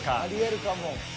ありえるかも。